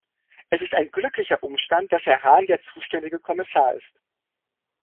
Es ist ein glücklicher Umstand, dass Herr Hahn der zuständige Kommissar ist.